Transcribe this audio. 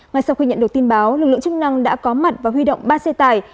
ngay sau khi nhận được tin báo lực lượng chức năng đã có mặt và huy động ba xe tải